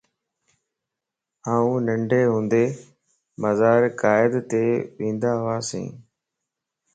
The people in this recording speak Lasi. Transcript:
آن ننڍاھوندي مزار قائدت ونداھوياس